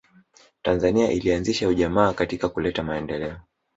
tanzania ilianzisha ujamaa katika kuleta maendeleo